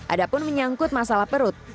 ada pun menyangkut masalah perut